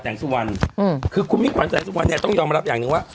สุวรรณคือคุณมิ่งขวัญแสงสุวรรณเนี่ยต้องยอมรับอย่างหนึ่งว่า